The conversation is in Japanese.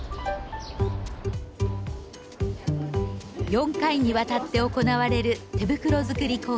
４回にわたって行われる手袋づくり講座。